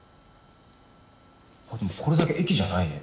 でもこれだけ駅じゃないね。